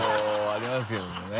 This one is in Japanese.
ありますけどもね。